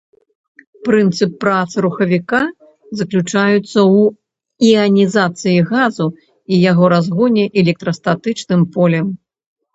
Прынцып працы рухавіка заключаецца ў іанізацыі газу і яго разгоне электрастатычным полем.